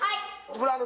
「ブランド。